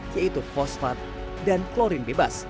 yaitu fosfat dan klorin bebas